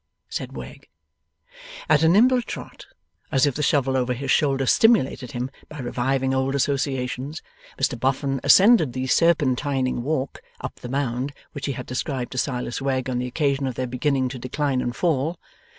said Wegg. At a nimbler trot, as if the shovel over his shoulder stimulated him by reviving old associations, Mr Boffin ascended the 'serpentining walk', up the Mound which he had described to Silas Wegg on the occasion of their beginning to decline and fall.